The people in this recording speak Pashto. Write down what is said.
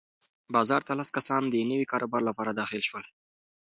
بازار ته لس کسان د نوي کاروبار لپاره داخل شول.